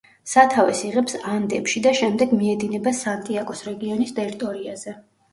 სათავეს იღებს ანდებში და შემდეგ მიედინება სანტიაგოს რეგიონის ტერიტორიაზე.